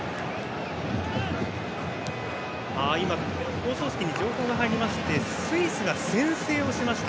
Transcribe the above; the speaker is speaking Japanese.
放送席に情報が入りましてスイスが先制をしました。